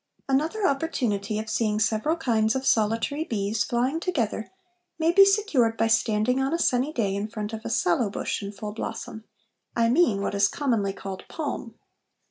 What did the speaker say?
Another opportunity of seeing several kinds of solitary bees flying together may be secured by standing on a sunny day in front of a sallow bush in full blossom, I mean what is commonly called "palm."